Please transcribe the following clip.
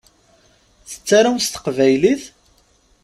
Tettarum s teqbaylit?